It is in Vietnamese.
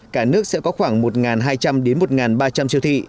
cả nước sẽ có khoảng một hai trăm linh đến một ba trăm linh siêu thị